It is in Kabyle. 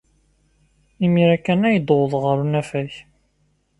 Imir-a kan ay d-uwḍeɣ ɣer unafag.